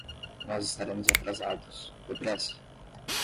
Nós estaremos atrasados, depressa.